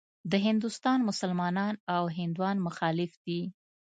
د هندوستان مسلمانان او هندوان مخالف دي.